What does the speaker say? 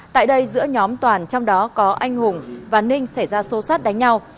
tại đây giữa nhóm toàn trong đó có anh hùng và ninh xảy ra xô xát đánh nhau